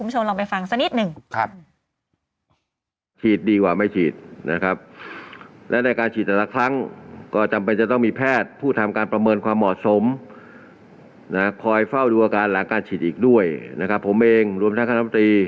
สมนะครับคอยเฝ้าดูอาการหลังการฉีดอีกด้วยนะครับผมเองรวมทางคันธรรมตรี